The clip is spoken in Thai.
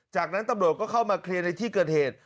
จากนั้นตำรวจก็เข้ามาเคลียร์ในที่เกิดเหตุ